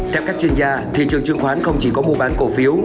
theo các chuyên gia thị trường chứng khoán không chỉ có mua bán cổ phiếu